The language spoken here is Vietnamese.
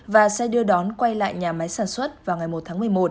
và xe đưa đón quay lại nhà máy sản xuất vào ngày một tháng một mươi một